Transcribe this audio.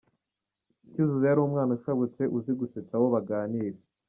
Cyuzuzo yari umwana ushabutse , uzi gusetsa abo baganira.